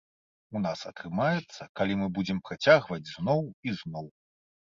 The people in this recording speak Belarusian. У нас атрымаецца, калі мы будзем працягваць зноў і зноў.